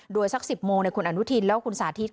โดยสัก๑๐โมงคุณอนุทินแล้วก็คุณสาธิต